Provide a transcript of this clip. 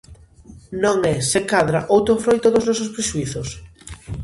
Non é, se cadra, outro froito dos nosos prexuízos?